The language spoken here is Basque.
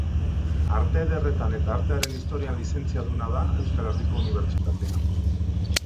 Arte Ederretan eta Artearen Historian lizentziaduna da Euskal Herriko Unibertsitatean.